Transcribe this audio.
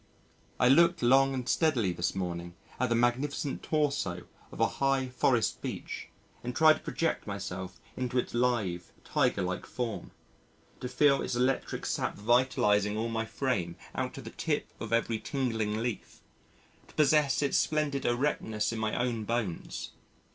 I looked long and steadily this morning at the magnificent torso of a high forest Beech and tried to project myself into its lithe tiger like form, to feel its electric sap vitalising all my frame out to the tip of every tingling leaf, to possess its splendid erectness in my own bones.